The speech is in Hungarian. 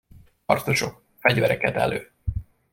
Harcosok, fegyvereket elő!